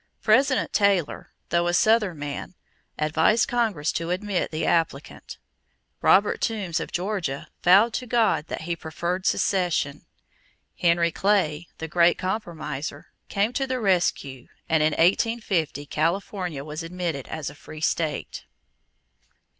President Taylor, though a Southern man, advised Congress to admit the applicant. Robert Toombs of Georgia vowed to God that he preferred secession. Henry Clay, the great compromiser, came to the rescue and in 1850 California was admitted as a free state.